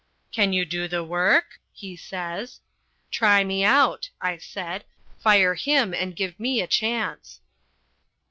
"Can you do the work?" he says. "Try me out," I said. "Fire him and give me a chance."